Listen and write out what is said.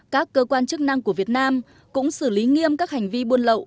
các cơ quan chức năng của việt nam cũng xử lý nghiêm các hành vi buôn lậu